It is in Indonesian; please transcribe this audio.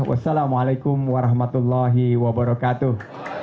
wassalamualaikum warahmatullahi wabarakatuh